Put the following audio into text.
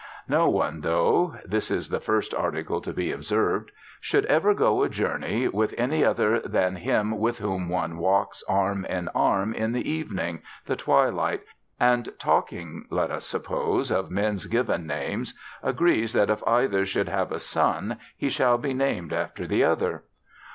No one, though (this is the first article to be observed), should ever go a journey with any other than him with whom one walks arm in arm, in the evening, the twilight, and, talking (let us suppose) of men's given names, agrees that if either should have a son he shall be named after the other.